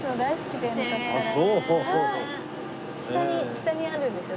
下にあるんですよ